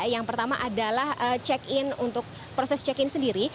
yang pertama adalah check in untuk proses check in sendiri